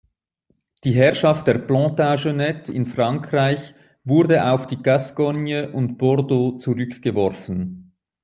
Die Herrschaft der Plantagenet in Frankreich wurde auf die Gascogne und Bordeaux zurückgeworfen.